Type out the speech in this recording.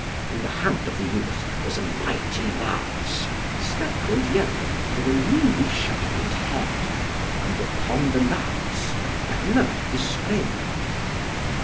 In the hand of the youth was a mighty lance, speckled yellow, with a newly sharpened head; and upon the lance a banner displayed.